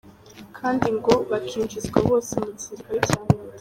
Kandi ngo bakinjizwa bose mu gisirikare cya Leta.